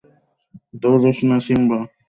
দৌড়াস না, সিম্বা!